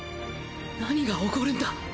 何が起こるんだ！？